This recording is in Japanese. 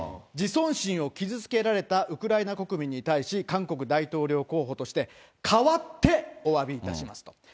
自尊心を傷つけられたウクライナ国民に対し、韓国大統領候補として、代わっておわびいたしますと。